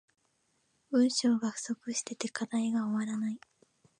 文章が不足してて課題が終わらない